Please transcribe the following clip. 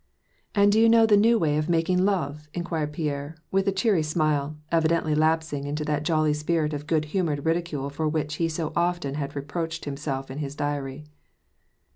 And do you know the new way of mak WAR AND PEACE, 323 ing love ?*' inquired Pierre, with a cheery smile, evidently lapsing into that jolly spirit of good humored ridicule for wnich he so often had reproached himself in his diary.